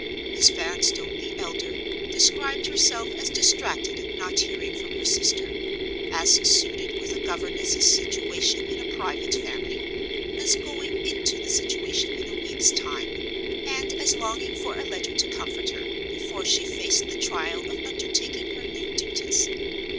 Miss Vanstone, the elder, described herself as distracted at not hearing from her sister; as suited with a governess's situation in a private family; as going into the situation in a week's time; and as longing for a letter to comfort her, before she faced the trial of undertaking her new duties.